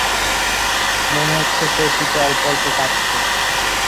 মনে হচ্ছে সে শীতে অল্প অল্প কাঁপছে।